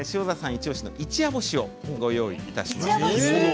イチおしの一夜干しをご用意しました。